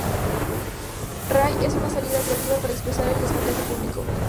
Raï es una salida creativa para expresar el descontento político.